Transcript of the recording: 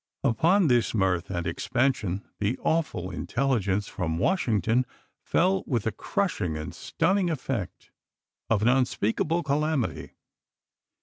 Upon this mirth and expansion the awful in Apriuses telligence from Washington fell with the crushing and stunning effect of an unspeakable calamity.